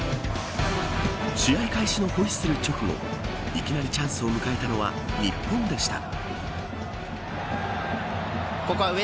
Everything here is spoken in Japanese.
試合開始のホイッスル直後いきなりチャンスを迎えたのは日本でした。